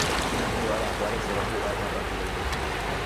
Todas las llaves serán jugadas a partido único.